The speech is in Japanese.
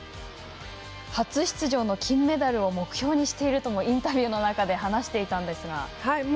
初出場の金メダルを目標にしているとインタビューの中で話していたんですが。